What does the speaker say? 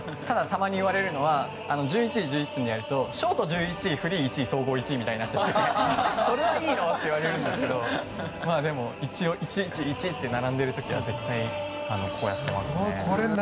たまに言われるのは１１時１１分でやるとショート１位フリー１位、総合１位みたいになっちゃってそれはいいの？って言われるんですけどでも１が並んでる時はやってますね。